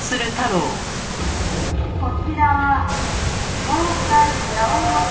「こちらは防災ヤオロズです」